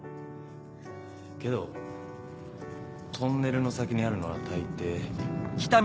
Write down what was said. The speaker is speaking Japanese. けどトンネルの先にあるのは大抵。